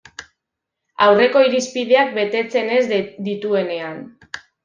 Aurreko irizpideak betetzen ez dituenean.